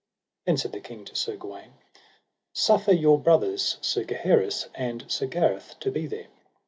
Then said the king to Sir Gawaine: Suffer your brothers Sir Gaheris and Sir Gareth to be there.